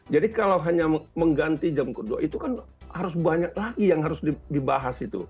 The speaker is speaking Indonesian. jadi kalau hanya mengganti jam kedua itu kan harus banyak lagi yang harus dibahas itu